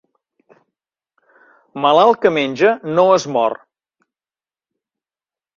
Malalt que menja no es mor.